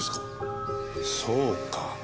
そうか。